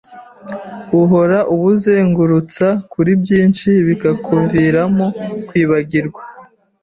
uhora ubuzengurutsa kuri byinshi bikakuviramo kwibagirwa.